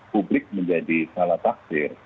publik menjadi salah takdir